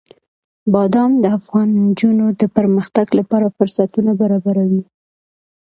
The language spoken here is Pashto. بادام د افغان نجونو د پرمختګ لپاره فرصتونه برابروي.